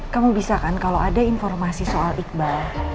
kamu bisa kan kalau ada informasi soal iqbal